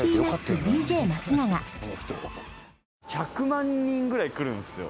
１００万人ぐらい来るんです。